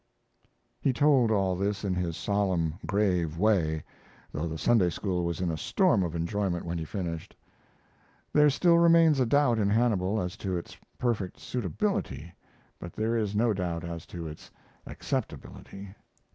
He told all this in his solemn, grave way, though the Sunday school was in a storm of enjoyment when he finished. There still remains a doubt in Hannibal as to its perfect suitability, but there is no doubt as to its acceptability.